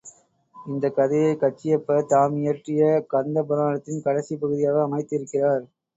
இந்தக் கதையை கச்சியப்பர் தாமியற்றிய கந்த புராணத்தின் கடைசிப் பகுதியாக அமைத்திருக்கிறார்.